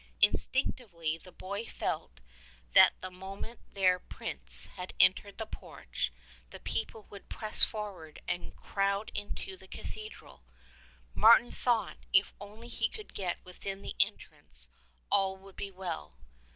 Instinctively the boy felt that the moment their prince had entered the porch the people would press forward and crowd into the cathedral. Martin thought if only he could get within the entrance all would be well.